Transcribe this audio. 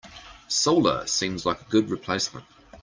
Solar seems like a good replacement.